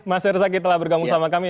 mas herzaki telah bergabung sama kami